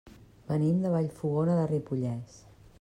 Venim de Vallfogona de Ripollès.